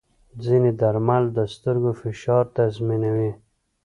ځینې درمل د سترګو فشار تنظیموي.